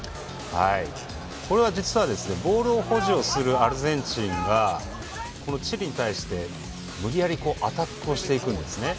ボール保持をするアルゼンチンがチリに対して、無理やりアタックをしていくんですね。